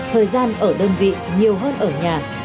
thời gian ở đơn vị nhiều hơn ở nhà